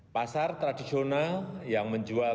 pasar tradisional yang menjual